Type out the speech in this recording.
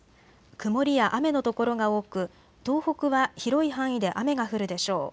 曇りや雨の所が多く東北は広い範囲で雨が降るでしょう。